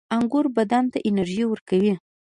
• انګور بدن ته انرژي ورکوي.